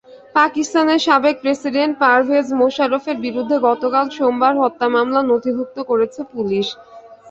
পাকিস্তানের সাবেক প্রেসিডেন্ট পারভেজ মোশাররফের বিরুদ্ধে গতকাল সোমবার হত্যা মামলা নথিভুক্ত করেছে পুলিশ।